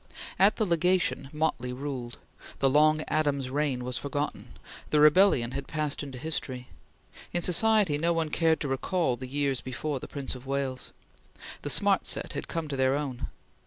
At the Legation, Motley ruled; the long Adams reign was forgotten; the rebellion had passed into history. In society no one cared to recall the years before the Prince of Wales. The smart set had come to their own.